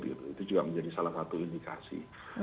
itu juga menjadi salah satu indikasi